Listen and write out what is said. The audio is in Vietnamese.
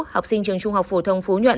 học sinh trường trung học phủ thông phú nhuận